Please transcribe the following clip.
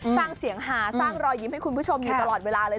สร้างเสียงหาสร้างรอยยิ้มให้คุณผู้ชมอยู่ตลอดเวลาเลย